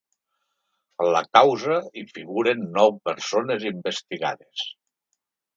En la causa hi figuren nou persones investigades.